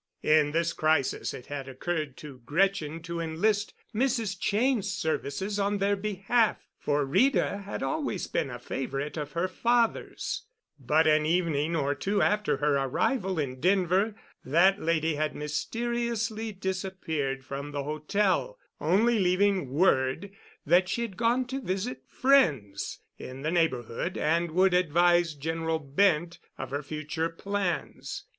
In this crisis it had occurred to Gretchen to enlist Mrs. Cheyne's services in their behalf, for Rita had always been a favorite of her father's; but an evening or two after her arrival in Denver that lady had mysteriously disappeared from the hotel, only leaving word that she had gone to visit friends in the neighborhood and would advise General Bent of her future plans.